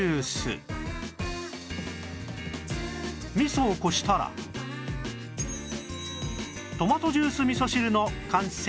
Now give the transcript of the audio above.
味噌をこしたらトマトジュース味噌汁の完成